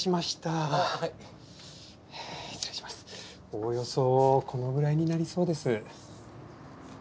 おおよそこのぐらいになりそうです。